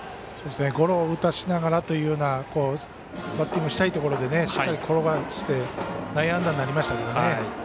ゴロを打たせながらというようなバッティングしたいところでしっかり転がして内野安打になりましたからね。